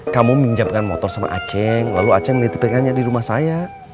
kamu minjamkan motor sama aceh lalu aceh melihat pegangannya di rumah saya